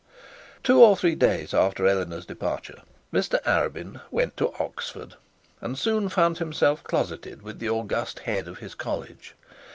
Two or three days after Eleanor's departure, Mr Arabin went to Oxford, and soon found himself closeted with the august head of his college.